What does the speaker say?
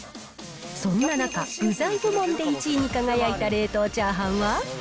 そんな中、具材部門で１位に輝いた冷凍チャーハンは。